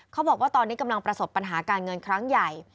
เขาบอกว่าตอนนี้กำลังประสบปัญหาการเงินครั้งใหญ่